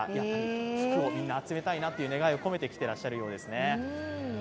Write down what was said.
福をみんな集めたいなという願いを込めて来ていらっしゃるようですね。